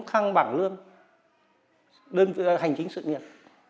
thăng bảng lương hành chính sự nghiệp